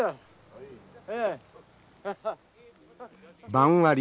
番割り。